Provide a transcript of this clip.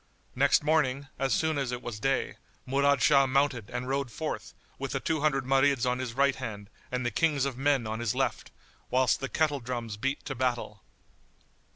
Next morning, as soon as it was day, Murad Shah mounted and rode forth, with the two hundred Marids on his right hand and the Kings of men on his left, whilst the kettle drums beat to battle.